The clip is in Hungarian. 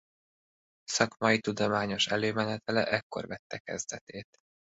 Szakmai–tudományos előmenetele ekkor vette kezdetét.